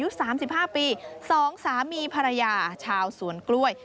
อยู่สามสิบห้าปีสองสามีภรรยาชาวสวนกล้วย